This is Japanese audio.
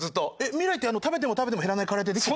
未来って食べても食べても減らないカレーってできて？